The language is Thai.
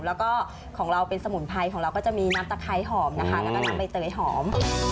แล้วก็ของเราเป็นสมุนไพรของเราก็จะมีน้ำตะไคร้หอมนะคะแล้วก็น้ำใบเตยหอม